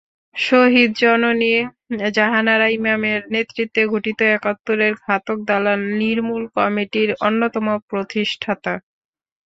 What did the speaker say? শহীদজননী জাহানারা ইমামের নেতৃত্বে গঠিত একাত্তরের ঘাতক দালাল নির্মূল কমিটির অন্যতম প্রতিষ্ঠাতা।